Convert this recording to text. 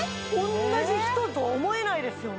同じ人と思えないですよね